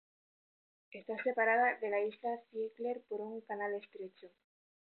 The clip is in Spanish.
Está separada de la isla Ziegler por un canal estrecho.